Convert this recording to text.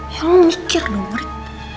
ya lo mikir dong rik